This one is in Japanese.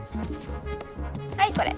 はいこれ。